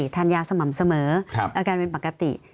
ทานยาสม่ำเสมออาการเป็นปกติ